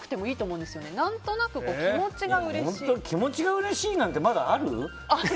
気持ちがうれしいなんてまだある？